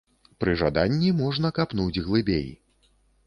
Пры жаданні можна капнуць глыбей.